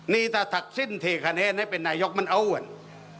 นี่ถ้าทักศิลป์เทคะแนนให้เป็นนายกรัฐมนตรีมันเอาอ่ะ